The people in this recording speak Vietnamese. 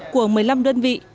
của một mươi năm đơn vị